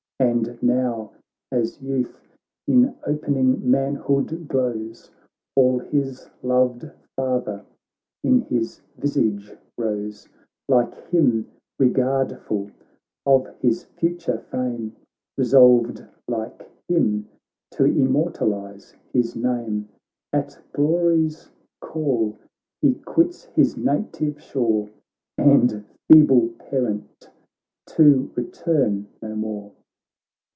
And now as youth in opening manhood glows, All his loved father in his visage rose ; Like him, regardful of his future fame. Resolved like him to immortalize his name. At glory's call he quits his native shore And feeble parent, to return no more.